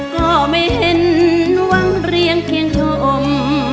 ก็ไม่เห็นหวังเรียงเพียงชง